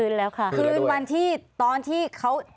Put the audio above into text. คืนวันที่ตอนที่เค้า